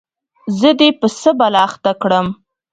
زه دي په څه بلا اخته کړم ؟